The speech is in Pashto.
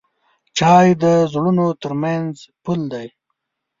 چای د زړونو ترمنځ پل دی.